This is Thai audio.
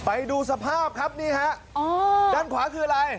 ไปดูสภาพครับนี่ฮะอ๋อด้านขวาคืออะไร